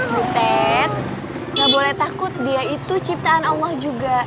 butet gak boleh takut dia itu ciptaan allah juga